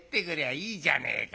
手紙じゃねえか。